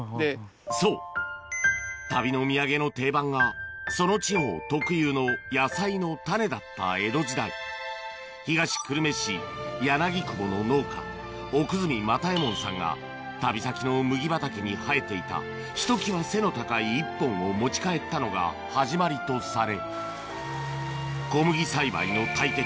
そう旅の土産の定番がその地方特有の野菜のタネだった江戸時代東久留米市柳窪の農家奥住又右衛門さんが旅先の麦畑に生えていたひときわ背の高い１本を持ち帰ったのが始まりとされ小麦栽培の大敵